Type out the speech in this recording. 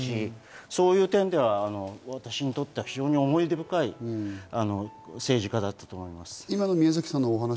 気さくだしね、話しやすいし、そういう点では私にとっては非常に思い出深い政治家だったと思います。